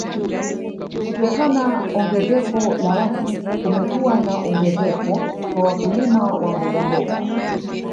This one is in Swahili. Kutokana ongezeko la watu kumekuwa na ongezeko kwa wakulima wa mbogamboga